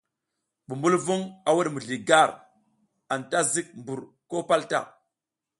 Bumbulvung a wud mizli gar, anta zik mbur ko pal ta.